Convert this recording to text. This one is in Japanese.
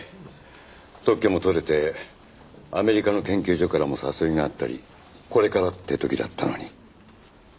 特許も取れてアメリカの研究所からも誘いがあったりこれからって時だったのに。